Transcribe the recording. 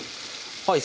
はい。